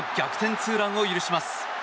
ツーランを許します。